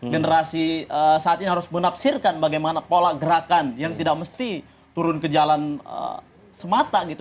generasi saat ini harus menafsirkan bagaimana pola gerakan yang tidak mesti turun ke jalan semata gitu